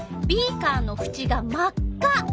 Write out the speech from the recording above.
ビーカーのふちが真っ赤。